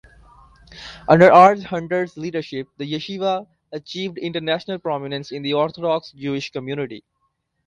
Under R' Hutner's leadership, the yeshiva achieved international prominence in the orthodox Jewish community.